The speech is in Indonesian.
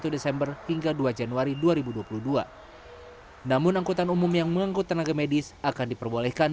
satu desember hingga dua januari dua ribu dua puluh dua namun angkutan umum yang mengangkut tenaga medis akan diperbolehkan